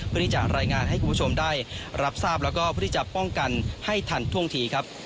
เพื่อที่จะรายงานให้คุณผู้ชมได้รับทราบแล้วก็เพื่อที่จะป้องกันให้ทันท่วงทีครับ